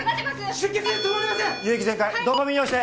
・出血が止まりません！